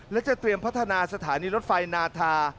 และจะเตรียมพัฒนาสถานีรถไฟนาธา